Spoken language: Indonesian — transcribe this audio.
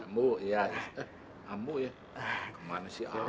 ambu ya ambu ya kemana sih ambu ya